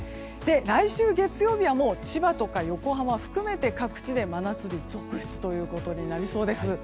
来週月曜日は千葉とか横浜含めて各地で真夏日続出となりそうです。